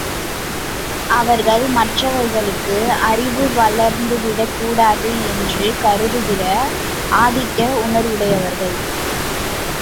அவர்கள், மற்றவர்களுக்கு அறிவு வளர்ந்துவிடக் கூடாது என்று கருதுகிற ஆதிக்க உணர்வுடையவர்கள்.